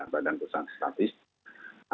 badan pusat statistik